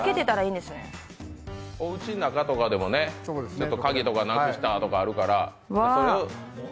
おうちの中とかでも鍵とかなくしたとかあるから。